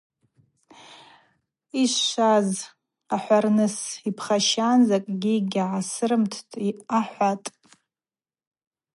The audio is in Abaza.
Йшшваз ахӏварныс йпхащан – Закӏгьи гьгӏасырымттӏ, – ахӏватӏ.